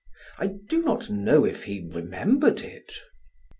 I do not know if he remembered it."